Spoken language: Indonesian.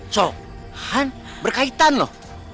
so berkaitan loh